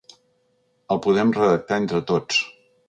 El podem redactar entre tots.